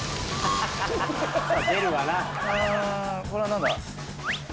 これは何だ？